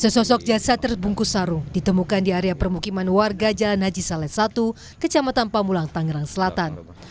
sesosok jasad terbungkus sarung ditemukan di area permukiman warga jalan haji saleh satu kecamatan pamulang tangerang selatan